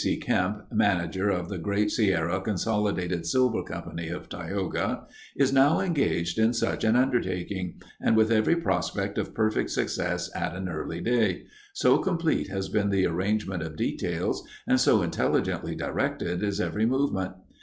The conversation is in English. C. Kemp, manager of the Great Sierra Consolidated Silver Company of Tioga, is now engaged in such an undertaking, and with every prospect of perfect success at an early day—so complete has been the arrangement of details and so intelligently directed is every movement.